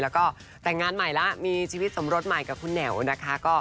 แล้วก็แต่งงานใหม่แล้วมีชีวิตสมรสใหม่กับคุณแหววนะคะ